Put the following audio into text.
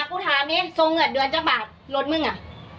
ภัยกูถามนี้สงเงินเดือนจากบาทรถมึงอะ